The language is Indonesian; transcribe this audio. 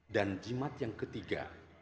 dan jimat yang ketiga